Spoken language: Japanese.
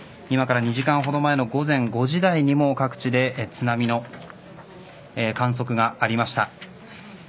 今から２時間ほど前の午前５時台にも各地で津波の観測がありました。